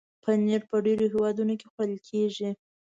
پنېر په ډېرو هېوادونو کې خوړل کېږي.